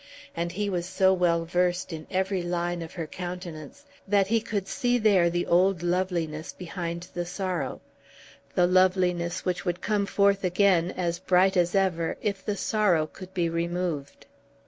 And he was so well versed in every line of her countenance, that he could see there the old loveliness behind the sorrow; the loveliness which would come forth again, as bright as ever, if the sorrow could be removed.